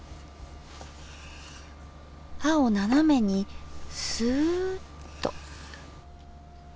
刃を斜めにすっと。